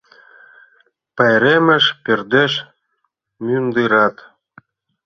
«Пайремыш пӧрдеш мӱндырат».